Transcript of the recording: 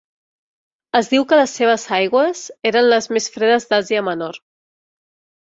Es diu que les seves aigües eren les més fredes d'Àsia Menor.